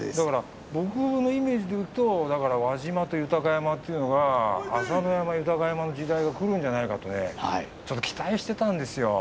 僕のイメージで言うと輪島と豊山というのか朝乃山、豊山の時代がくるんじゃないかと期待していたんですよ。